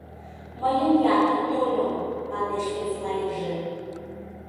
— Мыйын ятыр тольо, — манеш вес марийже.